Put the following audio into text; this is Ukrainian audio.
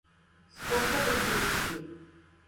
Способи дієслів